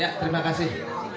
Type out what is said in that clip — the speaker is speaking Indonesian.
ya terima kasih